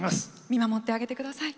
見守ってあげてください。